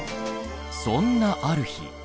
そんなある日。